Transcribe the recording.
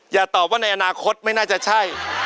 อย่าตอบว่าในอนาคตไม่น่าจะใช่